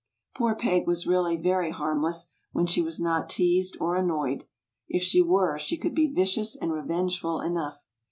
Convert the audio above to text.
Poor Peg was really very harmless, when she was not I"' „,. .,Google teased or annoyed. If she were, she could be vicious and revengeful enough.